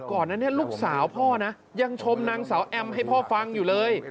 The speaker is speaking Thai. ก่อนนั้นลูกสาวพ่อนะยังชมนางสาวแอมให้พ่อฟังอยู่เลย